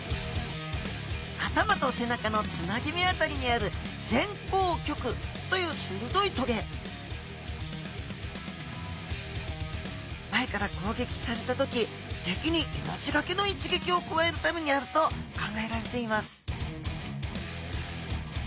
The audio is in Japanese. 頭と背中のつなぎめ辺りにある前向棘というするどい棘前からこうげきされた時敵に命がけの一撃を加えるためにあると考えられています